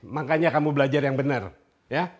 makanya kamu belajar yang benar ya